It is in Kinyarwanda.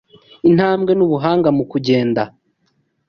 intambwe n’ubuhanga mu kugenda